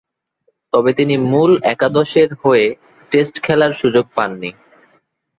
তবে তিনি মূল একাদশের হয়ে টেস্ট খেলার সুযোগ পাননি।